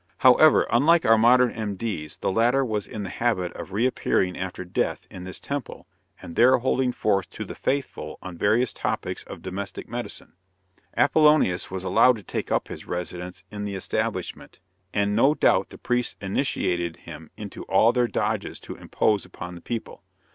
However, unlike our modern M. D.s, the latter was in the habit of re appearing after death, in this temple, and there holding forth to the faithful on various topics of domestic medicine. Apollonius was allowed to take up his residence in the establishment, and, no doubt, the priests initiated him into all their dodges to impose upon the people.